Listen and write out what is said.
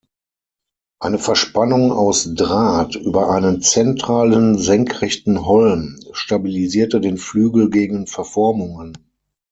Eine Verspannung aus Draht über einen zentralen, senkrechten Holm stabilisierte den Flügel gegen Verformungen.